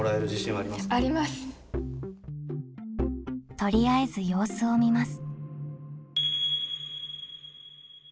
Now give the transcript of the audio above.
とりあえず様子を見ます。